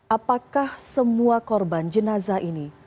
apakah semua korban jenazah ini